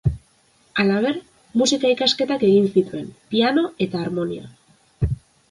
Halaber, musika ikasketak egin zituen, piano eta harmonia.